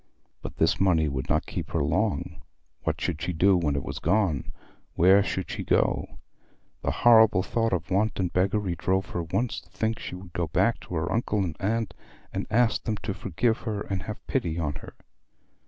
But this money would not keep her long. What should she do when it was gone? Where should she go? The horrible thought of want and beggary drove her once to think she would go back to her uncle and aunt and ask them to forgive her and have pity on her.